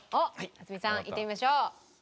蓮見さんいってみましょう。